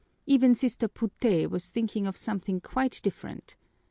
Even Sister Puté was thinking of something quite different.